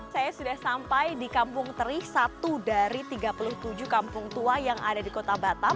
saya sudah sampai di kampung teri satu dari tiga puluh tujuh kampung tua yang ada di kota batam